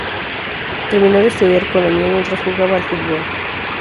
Terminó de estudiar economía mientras jugaba al fútbol.